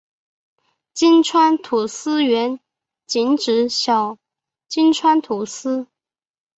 金川土司原仅指小金川土司。